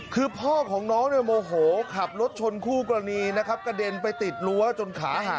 คือพ่อของน้องเนี่ยโมโหขับรถชนคู่กรณีนะครับกระเด็นไปติดรั้วจนขาหัก